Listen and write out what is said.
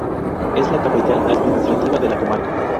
Es la capital administrativa de la comarca.